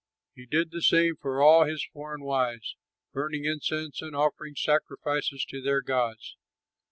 He did the same for all his foreign wives, burning incense and offering sacrifices to their gods.